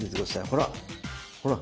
ほら！